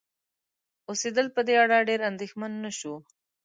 اوسیدل په دې اړه ډېر اندیښمن نشو